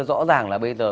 rõ ràng là bây giờ